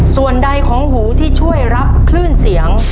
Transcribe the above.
ส่วนใดของหูที่ช่วยรับคลื่นเสียง